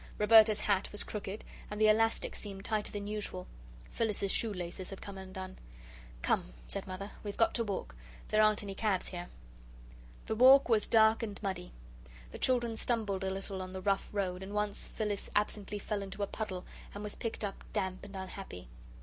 Roberta's hat was crooked, and the elastic seemed tighter than usual. Phyllis's shoe laces had come undone. "Come," said Mother, "we've got to walk. There aren't any cabs here." The walk was dark and muddy. The children stumbled a little on the rough road, and once Phyllis absently fell into a puddle, and was picked up damp and unhappy.